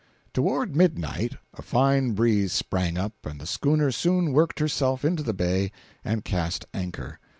Toward midnight a fine breeze sprang up and the schooner soon worked herself into the bay and cast anchor.